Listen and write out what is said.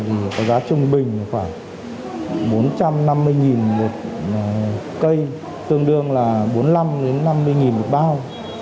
trung bình khoảng bốn trăm năm mươi một cây tương đương là bốn mươi năm năm mươi một bao